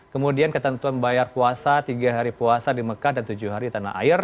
kemudian ketentuan bayar puasa tiga hari puasa di mekah dan tujuh hari di tanah air